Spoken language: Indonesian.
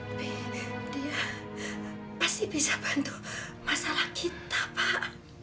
tapi dia pasti bisa bantu masalah kita pak